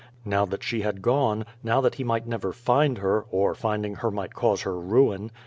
Now that she had gone, now that he might never find her, or, finding her, might cause her ruin.